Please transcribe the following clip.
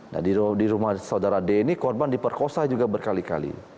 nah di rumah saudara d ini korban diperkosa juga berkali kali